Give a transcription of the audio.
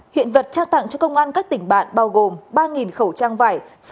hiện vật trao tặng cho công an các tỉnh bạn bao gồm ba khẩu trang vải